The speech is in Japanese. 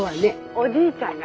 おじいちゃんが。